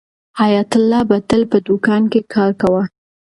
حیات الله به تل په دوکان کې کار کاوه.